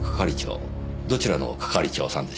どちらの係長さんでしょう？